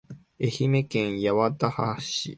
愛媛県八幡浜市